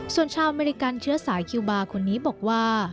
ส่วนชาวอเมริกันเชื้อสายคิวบาร์คนนี้บอกว่า